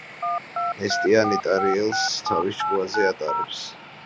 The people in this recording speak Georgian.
ნესტანი ტარიელს თავის ჭკუაზე ატარებს.